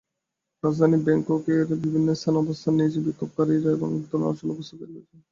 রাজধানী ব্যাংককের বিভিন্ন স্থানে অবস্থান নিয়ে বিক্ষোভকারীরা একধরনের অচলাবস্থা তৈরি করেছেন।